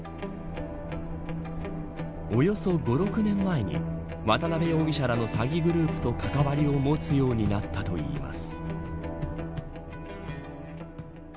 およそ５、６年前に渡辺容疑者らの詐欺グループと関わりを持つようになったといいます。